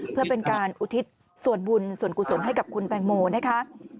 เพื่อเป็นการอุทิศส่วนบุญส่วนกุศลให้กับคุณแตงโมนะคะ